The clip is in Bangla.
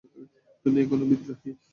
তুমি এখন বিদ্রোহী!